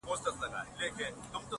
كه څه هم په دار وځړوو,